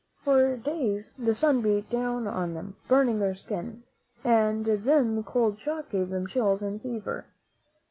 For days the sun beat down on them, burning their skin, and then the cold shock gave them chills and fever.